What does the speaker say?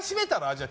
じゃあ。